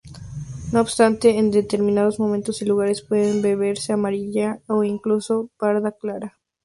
No obstante, en determinados momentos y lugares puede verse amarillenta o incluso parda clara.